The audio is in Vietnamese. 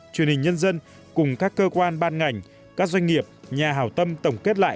truyền hình nhân dân cùng các cơ quan ban ngành các doanh nghiệp nhà hảo tâm tổng kết lại